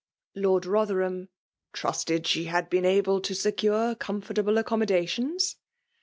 '' Lord Rotherham '' trusted she bad been able to secure comfortable, aceommodiaftions?'